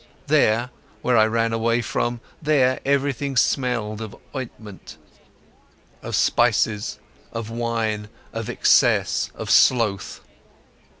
There, where I ran away from, there everything smelled of ointments, of spices, of wine, of excess, of sloth.